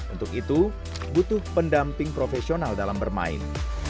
untuk itu butuh pendamping profesional dalam bermain